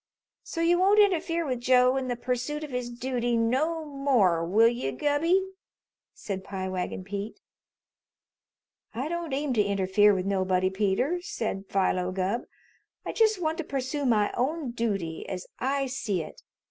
"So you won't interfere with Joe in the pursoot of his dooty no more, will you, Gubby?" said Pie Wagon Pete. "I don't aim to interfere with nobody, Peter," said Philo Gubb. "I just want to pursoo my own dooty, as I see it.